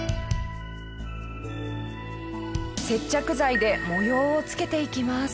接着剤で模様を付けていきます。